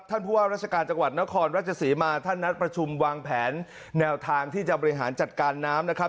ผู้ว่าราชการจังหวัดนครราชศรีมาท่านนัดประชุมวางแผนแนวทางที่จะบริหารจัดการน้ำนะครับ